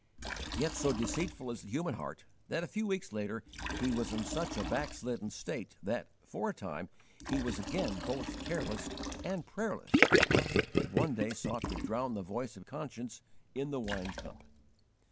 Yet so deceitful is the human heart that a few weeks later he was in such a backslidden state that, for a time, he was again both careless and prayerless, and one day sought to drown the voice of conscience in the wine cup.